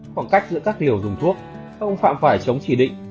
khoảng cách giữa các liều dùng thuốc ông phạm phải chống chỉ định